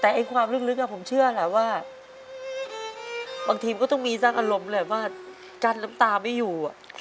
แต่ไอ้ความลึกอะผมเชื่อแหละว่าบางทีมันก็ต้องมีสักอารมณ์เลยว่าการล้ำตาไม่อยู่อะ